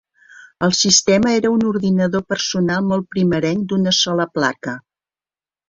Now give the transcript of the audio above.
El sistema era un ordinador personal molt primerenc d'una sola placa.